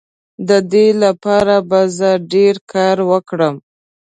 د دې لپاره به زه ډیر کار وکړم.